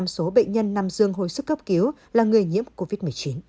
một mươi năm số bệnh nhân nằm dương hồi sức cấp cứu là người nhiễm covid một mươi chín